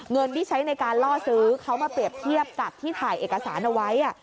เงินที่ใช้ในการล่อซื้อเขามาเปรียบเทียบกับที่ถ่ายเอกสารเอาไว้